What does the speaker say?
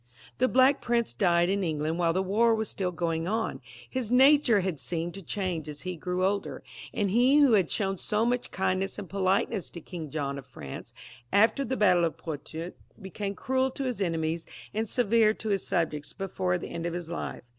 The Black Prince died in England while the war was still going on. His nature had seemed to change as he grew older, and he who had XXVII.] CHARLES V. (LE SAGE), 181 shown so much kindness and politeness to King John of France after the battle of Poitiers, became cruel to his enemies and severe to his subjects before the end of his life.